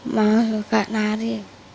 mahu suka nari